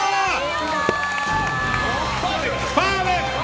パーフェクト！